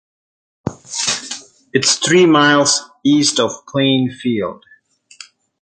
It is three miles east of Plainfield.